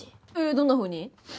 どんなふうに？